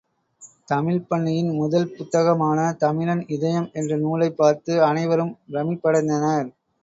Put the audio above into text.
தமிழ்ப்பண்ணையின் முதல் புத்தகமான தமிழன் இதயம் என்ற நூலைப் பார்த்து அனைவரும் பிரமிப்படைந்தனர்.